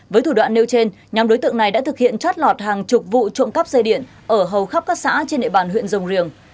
với thủ đoạn nêu trên nhóm đối tượng này đã thực hiện trót lọt hàng chục vụ trộm cắp dây điện ở hầu khắp các xã trên địa bàn huyện rồng riềng